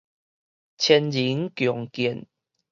千人共見